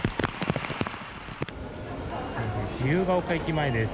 自由が丘駅前です。